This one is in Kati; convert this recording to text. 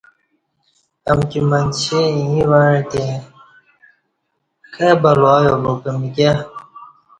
امکی منچی ییں وعݩتی کائ بلا ایا با کہ مکیہ